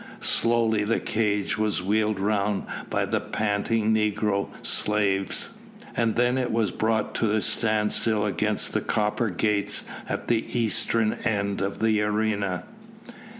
Slowly the cage was wheeled round by the panting negro slaves, and then it was brought to a standstill against the copper gates at the eastern end of the arena.